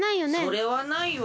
それはないわ。